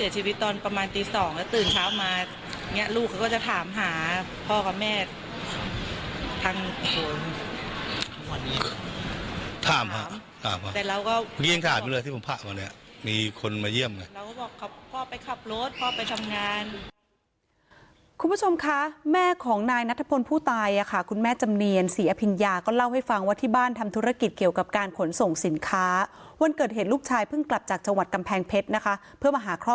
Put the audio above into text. เช้ามาอย่างเงี้ยลูกเขาก็จะถามหาพ่อกับแม่ทางโทรหามาแต่เราก็พี่ยังถามอยู่เลยที่ผมพักวันนี้มีคนมาเยี่ยมเลยเราก็บอกพ่อไปขับรถพ่อไปทำงานคุณผู้ชมค่ะแม่ของนายนัตรภนผู้ตายอ่ะค่ะคุณแม่จำเนียนสีอพิญญาก็เล่าให้ฟังว่าที่บ้านทำธุรกิจเกี่ยวกับการผลส่งสินค้าวันเกิดเหตุลูกชายเพ